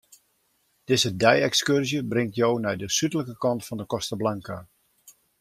Dizze dei-ekskurzje bringt jo nei de súdlike kant fan 'e Costa Blanca.